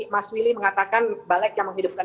mas willy mengatakan balik yang menghidupkan